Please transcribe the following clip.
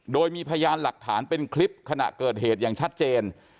โดยมีพยานหลักฐานเป็นคลิปขณะเกิดเหตุอย่างชัดเจน